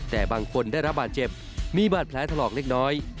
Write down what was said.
แต่บางคนได้รับบาดเจ็บมีบาดแผลถลอกเล็กน้อย